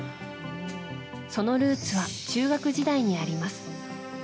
そのルーツは中学時代にあります。